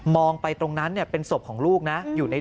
มองไปตรงนั้นเนี่ยเป็นสพของลูกนะ